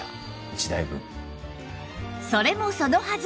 それもそのはず！